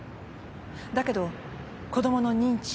だけど子供の認知。